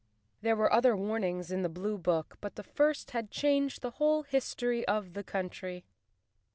There were other warnings in the blue book, but the first had changed the whole history of the country.